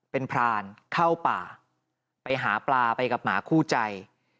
เป็นพรานเข้าป่าไปหาปลาไปกับหมาคู่ใจ